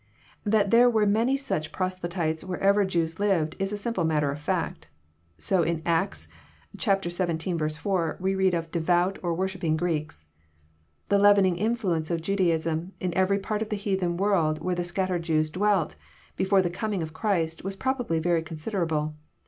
That there were many such proselyte> wherever Jews lived, is a simple matter of fact. So in Acts xvii. 4, we read of " devout " or worshipping " Greeks. The leavening influence of Judaism, in every part of the heathen world where the scattered Jews dwelt, before the coming of Christ, was probably very considerable.